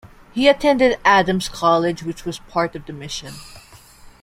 He attended Adams College which was part of the mission.